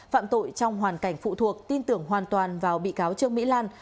phạm tội trong hoàn cảnh phụ thuộc tin tưởng hoàn toàn vào bị cáo trương mỹ lan